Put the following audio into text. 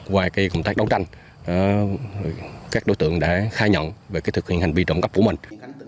qua cái công tác đấu tranh các đối tượng đã khai nhận về cái thực hiện hành vi trộm cắp của mình